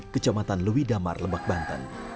kecamatan lewi damar lembak banten